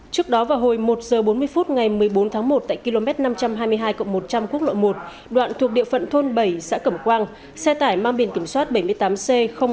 trước đó vào hồi một h bốn mươi phút ngày một mươi bốn tháng một tại km năm trăm hai mươi hai một trăm linh quốc lộ một đoạn thuộc địa phận thôn bảy xã cẩm quang xe tải mang biển kiểm soát bảy mươi tám c một nghìn tám trăm bảy